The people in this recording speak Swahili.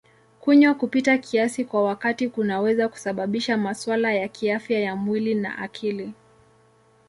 Kunywa kupita kiasi kwa wakati kunaweza kusababisha masuala ya kiafya ya mwili na akili.